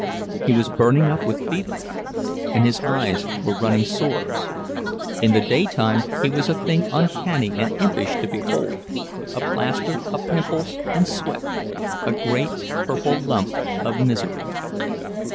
He was burning up with fever, and his eyes were running sores; in the daytime he was a thing uncanny and impish to behold, a plaster of pimples and sweat, a great purple lump of misery.